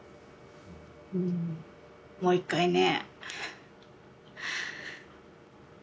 もう一回ね。